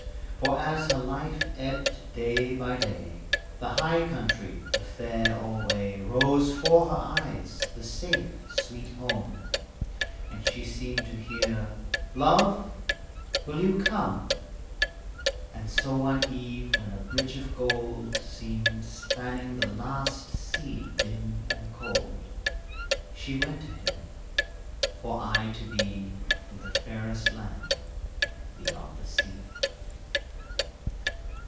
For as her life ebbed day by day, The High Countrie, the Fair alway, Rose 'fore her eyes, the safe, sweet home, And she seemed to hear, "Love, will you come?" And so one eve when a bridge of gold Seemed spanning the last sea dim and cold, She went to him, for aye to be In the fairest land beyond the sea.